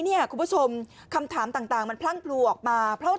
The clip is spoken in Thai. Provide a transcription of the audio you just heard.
คุณผู้ชมคำถามต่างมันพลั่งพลูออกมาเพราะว่า